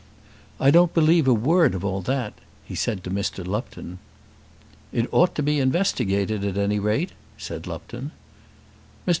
"I don't believe a word of all that," he said to Mr. Lupton. "It ought to be investigated at any rate," said Lupton. "Mr.